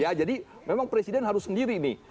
ya jadi memang presiden harus sendiri nih